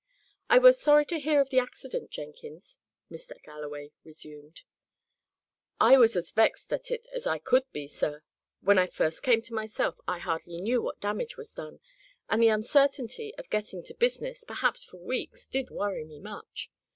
"I was sorry to hear of the accident, Jenkins," Mr. Galloway resumed. "I was as vexed at it as I could be, sir. When I first came to myself, I hardly knew what damage was done; and the uncertainty of getting to business, perhaps for weeks, did worry me much.